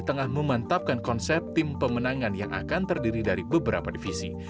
tengah memantapkan konsep tim pemenangan yang akan terdiri dari beberapa divisi